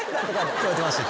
聞こえてました？